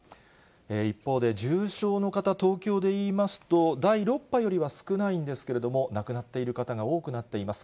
一方で、重症の方、東京でいいますと、第６波よりは少ないんですけれども、亡くなっている方が多くなっています。